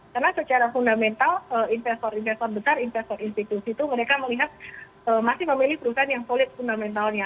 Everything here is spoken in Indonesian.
karena secara fundamental investor investor besar investor institusi itu mereka melihat masih memilih perusahaan yang solid fundamentalnya